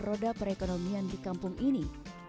roda perekonomian di kampung ini